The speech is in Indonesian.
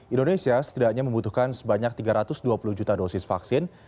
indonesia setidaknya membutuhkan sebanyak tiga ratus dua puluh juta dosis vaksin